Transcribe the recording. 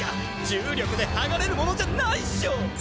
重力で剥がれるものじゃないっショ！